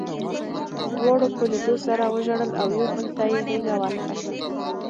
دواړو په لیدو سره وژړل او یو بل ته یې غېږه ورکړه